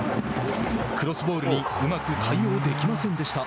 クロスボールにうまく対応できませんでした。